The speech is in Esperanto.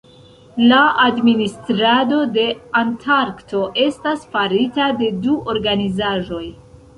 La administrado de Antarkto estas farita de du organizaĵoj.